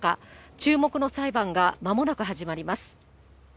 注目の裁判がまもなく始まります。